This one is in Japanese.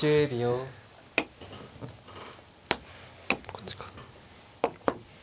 こっちか。